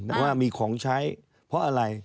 แต่ว่ามีของใช้เพราะอะไร